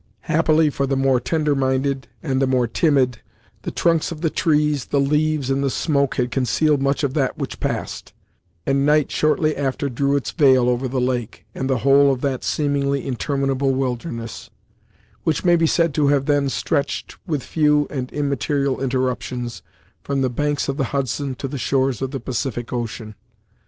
Happily for the more tender minded and the more timid, the trunks of the trees, the leaves, and the smoke had concealed much of that which passed, and night shortly after drew its veil over the lake, and the whole of that seemingly interminable wilderness; which may be said to have then stretched, with few and immaterial interruptions, from the banks of the Hudson to the shores of the Pacific Ocean.